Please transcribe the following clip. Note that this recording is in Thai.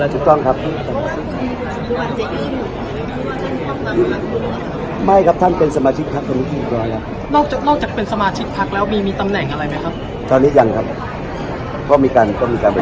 ไม่ครัวกำลังแล้วจะเป็นสมาชิกเอ่อมีมีตำแหน่งอะไรมั้ยครับตอนนี้ยังครับก็มีกันก็มีการชุด